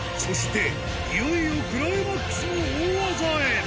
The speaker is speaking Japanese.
そしていよいよクライマックスの大技へ